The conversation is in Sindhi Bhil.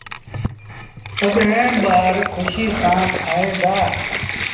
تڏهيݩ ٻآر کُشيٚ سآݩ کائيٚݩدآ۔